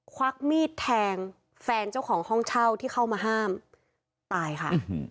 ควักมีดแทงแฟนเจ้าของห้องเช่าที่เข้ามาห้ามตายค่ะ